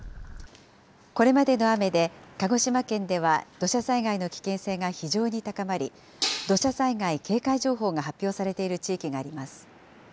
これまでの雨で鹿児島県では土砂災害の危険性が非常に高まり、土砂災害警戒情報が発表されている地域があります。